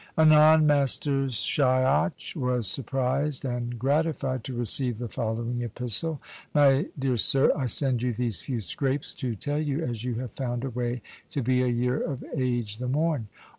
Anon Master Shiach was surprised and gratified to receive the following epistle: "My dear sir, I send you these few scrapes to tell you as you have found a way to be a year of age the morn.